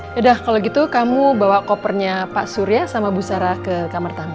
sudah kalau gitu kamu bawa kopernya pak surya sama bu sarah ke kamar tamu